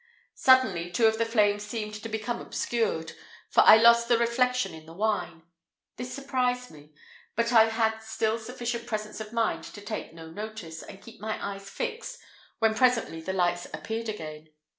Suddenly, two of the flames seemed to become obscured, for I lost the reflection in the wine. This surprised me; but I had still sufficient presence of mind to take no notice, and keep my eyes fixed, when presently the lights appeared again.